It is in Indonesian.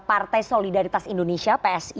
partai solidaritas indonesia